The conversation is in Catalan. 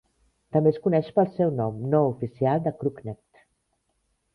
També es coneix pel seu nom no oficial de Crookneck.